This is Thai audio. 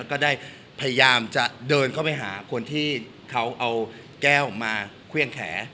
ก็ได้พยายามจะเดินเข้าไปหาคนที่เขาเอาแก้วมาเครื่องแขน